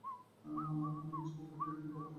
প্রতি গ্রীষ্মে পাখিরা ডিম পাড়তে পাহাড়ের উপর আসত।